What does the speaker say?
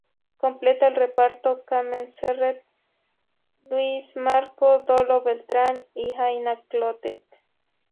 Completan el reparto Carmen Serret, Lluís Marco, Dolo Beltrán y Aina Clotet.